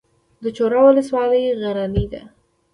د چوره ولسوالۍ غرنۍ ده